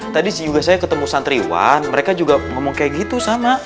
tadi juga saya ketemu santriwan mereka juga ngomong kayak gitu sama